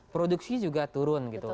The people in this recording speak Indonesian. produksi juga turun gitu